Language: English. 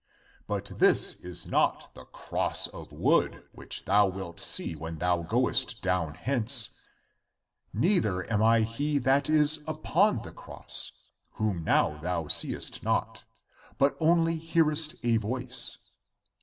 But this is not the cross of wood which thou wilt see when thou goest down hence, neither am I he that is upon the cross, whom now thou seest not, but only hearest a voice.